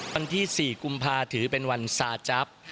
วันที่๔กุมภาถือเป็นวันซาจั๊บ